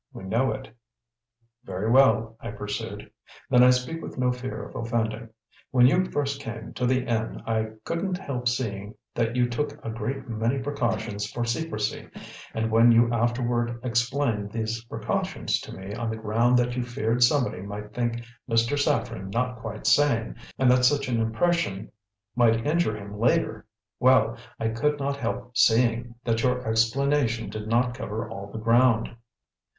We know it." "Very well," I pursued; "then I speak with no fear of offending. When you first came to the inn I couldn't help seeing that you took a great many precautions for secrecy; and when you afterward explained these precautions to me on the ground that you feared somebody might think Mr. Saffren not quite sane, and that such an impression might injure him later well, I could not help seeing that your explanation did not cover all the ground."